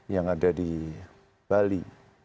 yang ada di bali